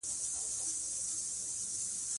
قانون د ادارې د واک د تنظیم بنسټ دی.